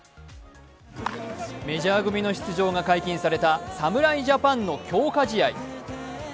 メジャー組の出場が解禁された侍ジャパンの強化試合。